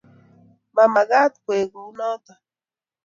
mamagaat koek kunooto